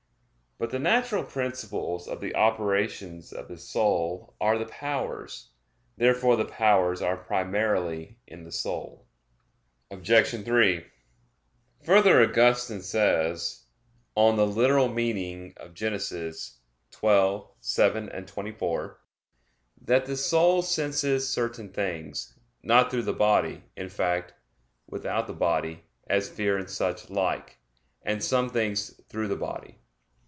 But the natural principles of the operations of the soul are the powers. Therefore the powers are primarily in the soul. Obj. 3: Further, Augustine says (Gen. ad lit. xii, 7,24) that the soul senses certain things, not through the body, in fact, without the body, as fear and such like; and some things through the body.